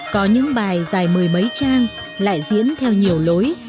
có những bài dài mười mấy trang lại diễn theo nhiều lối